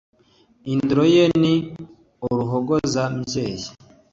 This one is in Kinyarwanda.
Indoro ye ni uruhogozambyeyi,